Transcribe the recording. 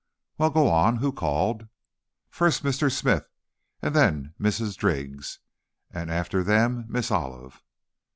"Well, go on. Who called?" "First, Mr. Smith; and then Mrs. Driggs; and after them, Miss Olive."